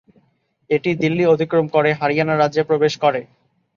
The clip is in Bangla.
এটি দিল্লি অতিক্রম করে হরিয়ানা রাজ্যে প্রবেশ করে।